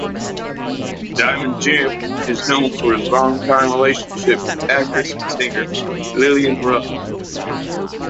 "Diamond Jim" is known for his longtime relationship with actress and singer Lillian Russell.